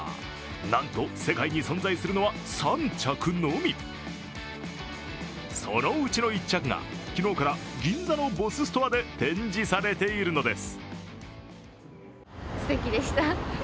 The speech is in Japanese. なんと世界に存在するのは３着のみそのうちの１着が昨日から銀座のＢＯＳＳストアで展示されているのです。